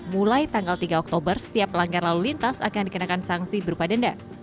mulai tanggal tiga oktober setiap pelanggar lalu lintas akan dikenakan sanksi berupa denda